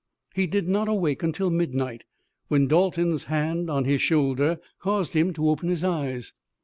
He did not awake until midnight, when Dalton's hand on his shoulder caused him to open his eyes.